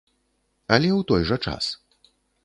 Але ў той жа час.